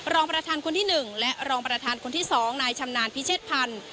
รองประธานคนที่๑และรองประธานคนที่๒นายชำนาญพิเชษพันธ์